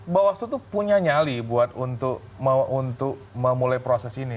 bawas lu tuh punya nyali buat untuk memulai proses ini